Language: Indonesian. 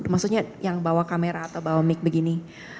maksudnya yang bawa kamera atau bawa mic begini